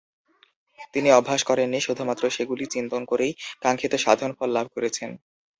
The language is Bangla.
তিনি অভ্যাস করেননি, শুধুমাত্র সেগুলির চিন্তন করেই কাঙ্ক্ষিত সাধনফল লাভ করেছিলেন।